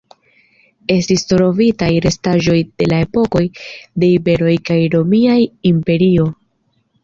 Estis trovitaj restaĵoj de la epokoj de iberoj kaj de Romia Imperio.